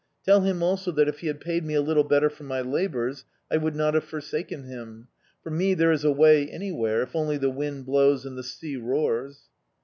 Tell him also that if he had paid me a little better for my labours, I would not have forsaken him. For me there is a way anywhere, if only the wind blows and the sea roars."